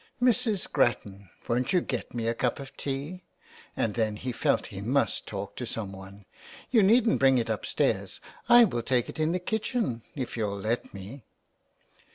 " Mrs. Grattan, won't you get me a cup of tea ?" And then he felt he must talk to some one. ''You needn't bring it upstairs, I will take it in the kitchen if you'll let me."